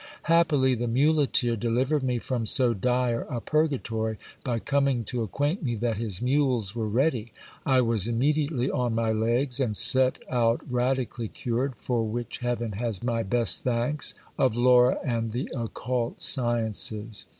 Happily the muleteer delivered me from so dire a purgatory, by coming to acquaint me that his mules were ready. I was immediately on my legs, and set out radically cured, for which heaven has my best thanks, of Laura and the occult sciences.